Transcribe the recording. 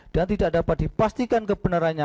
dan tidak dapat dipastikan kebenarannya